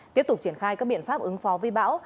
tiếp tục triển khai các biện pháp ứng phó với bão